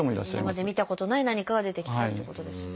今まで見たことない何かが出てきたってことですね。